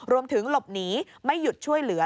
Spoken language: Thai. รวมถึงหลบหนีไม่หยุดช่วยเหลือ